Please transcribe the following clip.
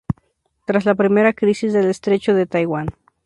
Tras la Primera Crisis del Estrecho de Taiwán.